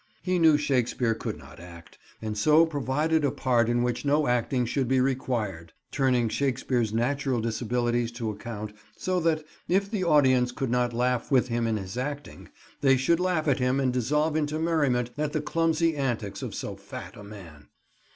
He knew Shakespeare could not act, and so provided a part in which no acting should be required; turning Shakespeare's natural disabilities to account, so that, if the audience could not laugh with him in his acting, they should laugh at him and dissolve into merriment at the clumsy antics of so fat a man!